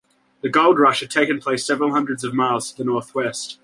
The gold rush had taken place several hundreds of miles to the northwest.